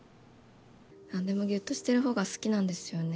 何でもぎゅっとしてる方が好きなんですよね。